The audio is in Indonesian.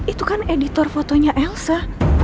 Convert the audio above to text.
itu kan editor fotonya elsa